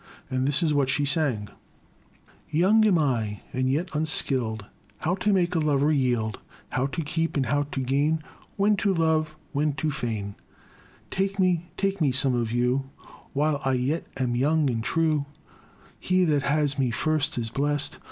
And this is what she sang : <i <i Young am I, and jet unskilled How to make a lover yield ; How to keep and how to gain, When to love and when to feign 1 " Take me, take me some of you While I yet am young and true ; He that has me first is blest.